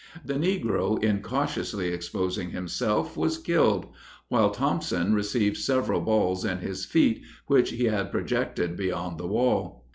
The negro incautiously exposing himself, was killed, while Thompson received several balls in his feet, which he had projected beyond the wall.